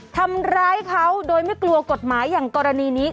ทำร้ายเขาโดยไม่กลัวกฎหมายอย่างกรณีนี้